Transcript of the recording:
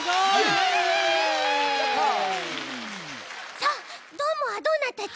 さあどーもはどうなったち？